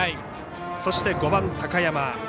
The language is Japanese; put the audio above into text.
そして５番、高山。